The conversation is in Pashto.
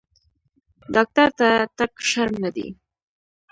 ډاکټر ته تګ شرم نه دی۔